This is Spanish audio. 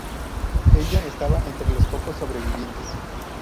Ella estaba entre los pocos sobrevivientes.